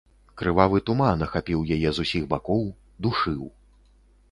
Крывавы туман ахапіў яе з усіх бакоў, душыў.